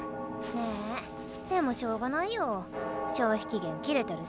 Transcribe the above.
ねでもしょうがないよ消費期限切れてるし。